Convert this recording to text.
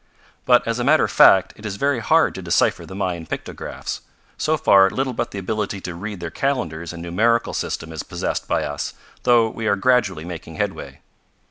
But, as a matter of fact, it is very hard to decipher the Mayan pictographs. So far, little but the ability to read their calendars and numerical system is possessed by us, though we are gradually making headway.